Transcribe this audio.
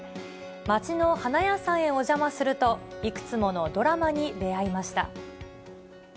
街の花屋さんへお邪魔すると、いくつものドラマに出会いました。